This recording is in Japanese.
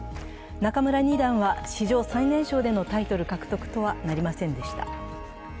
仲邑二段は、史上最年少でのタイトル獲得はなりませんでした。